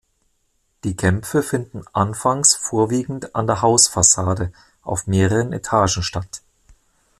Die Kämpfe finden anfangs vorwiegend an der Hausfassade, auf mehreren Etagen statt.